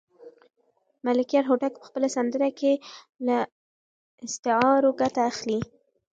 ملکیار هوتک په خپله سندره کې له استعارو ګټه اخلي.